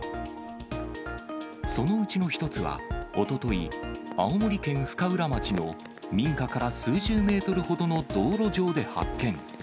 そのうちの一つは、おととい、青森県深浦町の民家から数十メートルほどの道路上で発見。